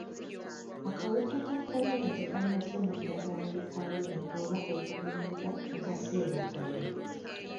Akawuka ka kolona tekannafuna ddagala likawonya oba okukagemebwa mu kaseera kano.